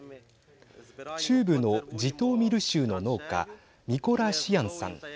中部のジトーミル州の農家ミコラ・シヤンさん。